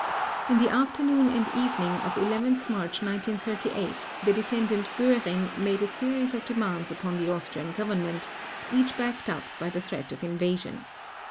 In the afternoon and evening of 11 March 1938 the Defendant Göring made a series of demands upon the Austrian Government, each backed up by the threat of invasion.